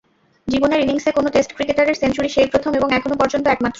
জীবনের ইনিংসে কোনো টেস্ট ক্রিকেটারের সেঞ্চুরি সেই প্রথম এবং এখনো পর্যন্ত একমাত্র।